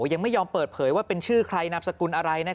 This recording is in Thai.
ยังไม่ยอมเปิดเผยว่าเป็นชื่อใครนามสกุลอะไร